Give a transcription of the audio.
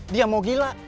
dia mau gila